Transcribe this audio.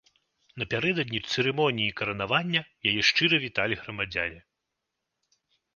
Напярэдадні цырымоніі каранавання, яе шчыра віталі грамадзяне.